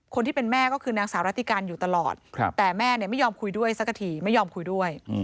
คนที่เป็นแม่ก็คือนางสาวรัติการอยู่ตลอดแต่แม่ไม่ยอมคุยด้วยสักทีไม่ยอมคุยด้วย